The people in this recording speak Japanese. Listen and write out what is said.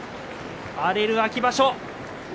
荒れる秋場所。